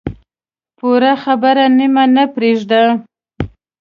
پوره خبره نیمه نه پرېږده.